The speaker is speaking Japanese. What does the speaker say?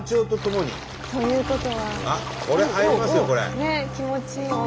ねえ気持ちいい温度に。